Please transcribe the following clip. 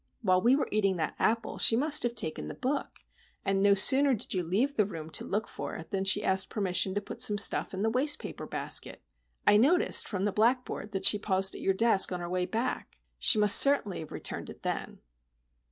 While we were eating that apple, she must have taken the book; and no sooner did you leave the room to look for it, than she asked permission to put some stuff in the wastepaper basket. I noticed, from the blackboard, that she paused at your desk on her way back. She must certainly have returned it then."